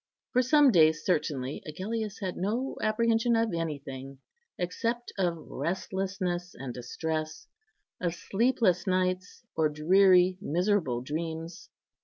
For some days certainly Agellius had no apprehension of anything, except of restlessness and distress, of sleepless nights, or dreary, miserable dreams.